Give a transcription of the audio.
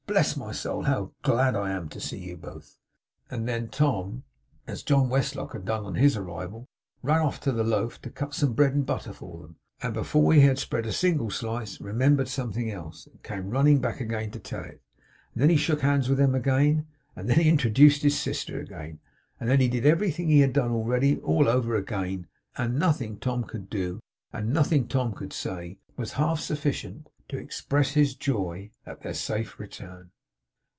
Bless my soul, how glad I am to see you both!' And then Tom (as John Westlock had done on his arrival) ran off to the loaf to cut some bread and butter for them; and before he had spread a single slice, remembered something else, and came running back again to tell it; and then he shook hands with them again; and then he introduced his sister again; and then he did everything he had done already all over again; and nothing Tom could do, and nothing Tom could say, was half sufficient to express his joy at their safe return.